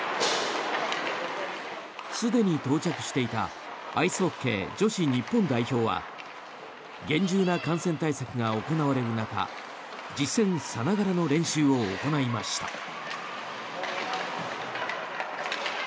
すでに到着していたアイスホッケー女子日本代表は厳重な感染対策が行われる中実戦さながらの練習を行いました。